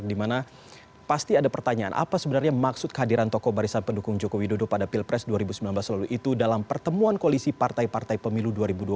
dimana pasti ada pertanyaan apa sebenarnya maksud kehadiran tokoh barisan pendukung jokowi dodo pada pilpres dua ribu sembilan belas lalu itu dalam pertemuan koalisi partai partai pemilu dua ribu dua puluh